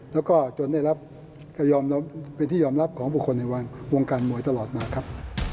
แล้วก็จนได้รับยอมรับเป็นที่ยอมรับของบุคคลในวงการมวยตลอดมาครับ